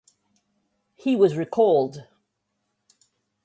He was recalled.